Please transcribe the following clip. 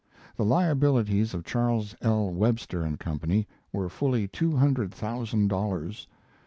The liabilities of Charles L. Webster & Co. were fully two hundred thousand dollars.